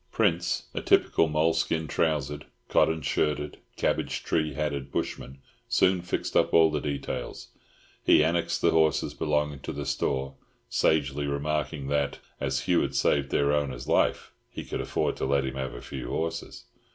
Prince, a typical moleskin trousered, cotton shirted, cabbage tree hatted bushman, soon fixed up all details. He annexed the horses belonging to the store, sagely remarking that, as Hugh had saved their owner's life, he could afford to let him have a few horses.